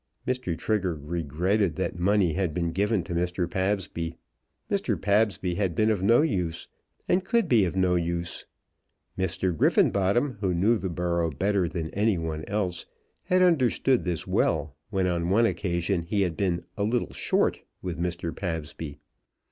Mr. Trigger regretted that money had been given to Mr. Pabsby. Mr. Pabsby had been of no use, and could be of no use. Mr. Griffenbottom, who knew the borough better than any one else, had understood this well when on one occasion he had been "a little short" with Mr. Pabsby.